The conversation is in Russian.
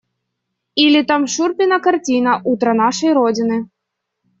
Или там Шурпина картина «Утро нашей родины».